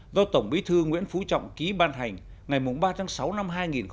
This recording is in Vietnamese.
do tổng bí thư nguyễn phú trọng ký ban hành ngày ba tháng sáu năm hai nghìn một mươi chín